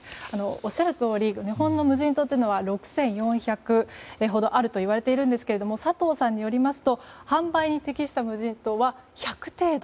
おっしゃるとおり日本の無人島というのは６４００ほどあるといわれているんですが佐藤さんによりますと販売に適した無人島は１００程度。